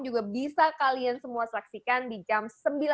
juga bisa kalian semua saksikan di jam sembilan